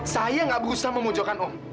saya nggak berusaha memojokkan om